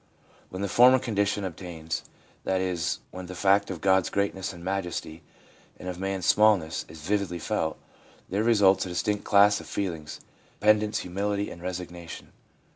When the former condition obtains — that is, when the fact of God's greatness and majesty, and of man's smallness, is vividly felt, there results a distinct class of feelings, dependence^ humility and resignation.